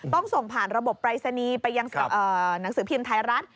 ต้องส่งผ่านระบบปรายศนีย์ไปยังหนังสือพิมพ์ไทยรัฐ